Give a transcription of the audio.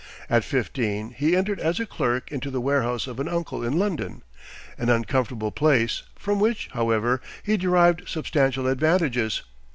At fifteen he entered as a clerk into the warehouse of an uncle in London, an uncomfortable place, from which, however, he derived substantial advantages.